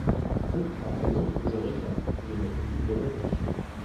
Non, par exemple, je réclame, J’ai ma petite volonté.